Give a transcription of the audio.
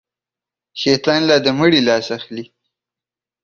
شيطان لا د مړي لاس اخلي.